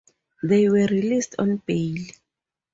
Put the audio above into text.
They were released on bail.